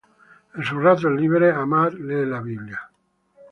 En sus ratos libres ama leer la biblia.